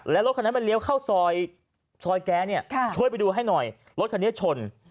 แล้วรถคันนั้นมันเลี้ยวเข้าซอยแก๊เนี่ยช่วยไปดูให้หน่อยรถคันนี้ชน